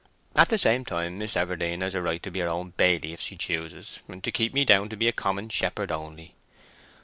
At the same time, Miss Everdene has a right to be her own baily if she choose—and to keep me down to be a common shepherd only."